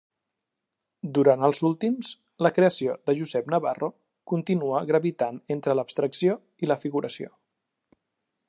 Durant els últims, la creació de Josep Navarro continua gravitant entre l'abstracció i la figuració.